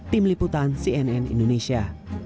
tim liputan cnn indonesia